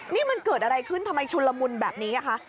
นี่มันเกิดอะไรขึ้นทำไมชุนละมุนแบบนี้คะ